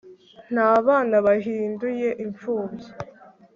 nta bana bahinduye impfubyi